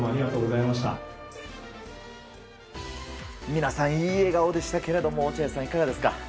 皆さん、いい笑顔でしたけども落合さん、いかがでしたか。